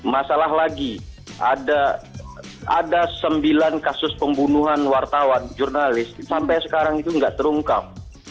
masalah lagi ada sembilan kasus pembunuhan wartawan jurnalis sampai sekarang itu tidak terungkap